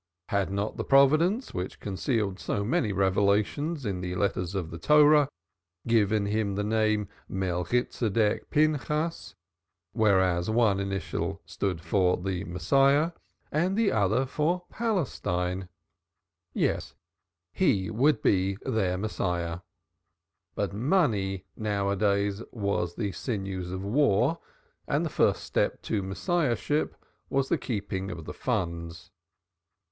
Had not the Providence, which concealed so many revelations in the letters of the Torah, given him the name Melchitsedek Pinchas, whereof one initial stood for Messiah and the other for Palestine. Yes, he would be their Messiah. But money now a days was the sinews of war and the first step to Messiahship was the keeping of the funds.